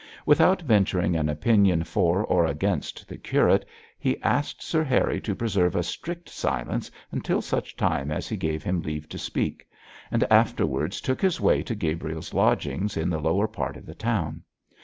Without venturing an opinion for or against the curate, he asked Sir Harry to preserve a strict silence until such time as he gave him leave to speak, and afterwards took his way to Gabriel's lodgings in the lower part of the town.